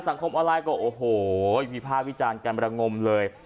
สังคมอะไรก็โอ้โหมีผ้าวิจารณ์กำลังงมเลย